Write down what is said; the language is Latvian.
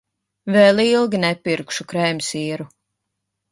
Vēl ilgi nepirkšu krēmsieru.